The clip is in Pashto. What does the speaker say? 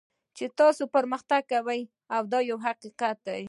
چې تاسو پرمختګ کوئ دا یو حقیقت دی.